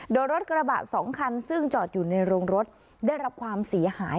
โดยรถกระบะ๒คันซึ่งจอดอยู่ในโรงรถได้รับความเสียหาย